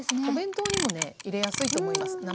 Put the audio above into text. お弁当にもね入れやすいと思います。